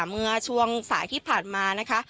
เมื่อช่วงสายที่ผ่านมานะคะ